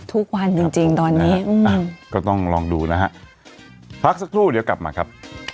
ทุกวันจริงจริงตอนนี้ก็ต้องลองดูนะฮะพักสักครู่เดี๋ยวกลับมาครับ